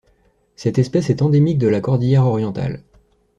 Cette espèce est endémique de la cordillère Orientale.